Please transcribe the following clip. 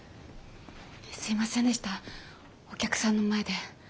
すいませんでしたお客さんの前で。